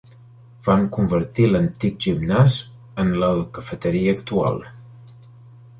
Van convertir l'antic gimnàs en la cafeteria actual.